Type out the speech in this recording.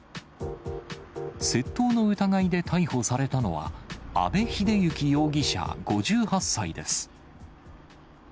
窃盗の疑いで逮捕されたのは、阿部秀幸容疑者５８歳です。